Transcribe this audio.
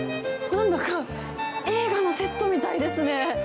なんだか映画のセットみたいですね。